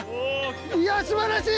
いや素晴らしい！